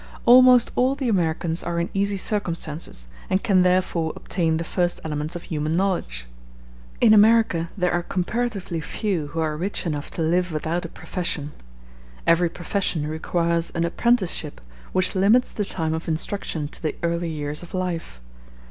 Almost all the Americans are in easy circumstances, and can therefore obtain the first elements of human knowledge. In America there are comparatively few who are rich enough to live without a profession. Every profession requires an apprenticeship, which limits the time of instruction to the early years of life.